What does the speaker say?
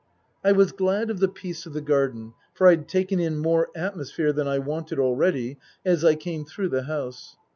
I was glad of the peace of the garden, for I'd taken in more atmosphere than I wanted already as I came through the house.